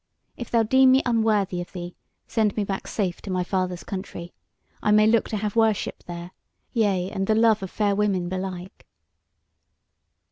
If thou deem me unworthy of thee, send me back safe to my father's country; I may look to have worship there; yea, and the love of fair women belike."